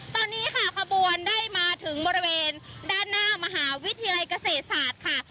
ตอนนี้ค่ะขบวนได้มาถึงบริเวณด้านหน้ามหาวิทยาลัยเกษตรศาสตร์ค่ะ